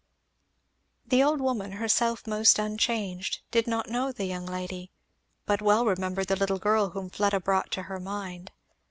The old woman, herself most unchanged, did not know the young lady, but well remembered the little girl whom Fleda brought to her mind.